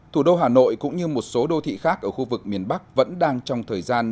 thủ đô hà nội cũng như một số đô thị khác ở khu vực miền bắc vẫn đang trong thời gian